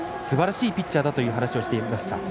すばらしいピッチャーだという話をしていました。